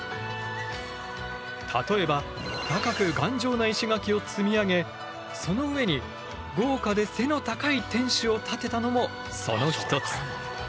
例えば高く頑丈な石垣を積み上げその上に豪華で背の高い天主を建てたのもその一つ。